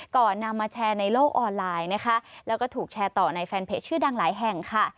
นำมาแชร์ในโลกออนไลน์นะคะแล้วก็ถูกแชร์ต่อในแฟนเพจชื่อดังหลายแห่งค่ะ